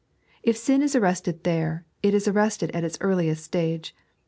If sin is arrested there, it is arrested in its earliest stage.